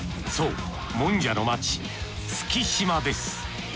そうもんじゃの街月島です。